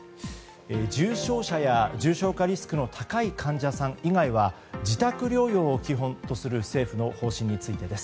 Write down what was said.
重症者は重症化リスクの高い患者さん以外は自宅療養を基本とするという政府の方針についてです。